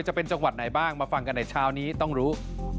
จะเป็นจังหวัดไหนบ้างมาฟังกันในเช้านี้ต้องรู้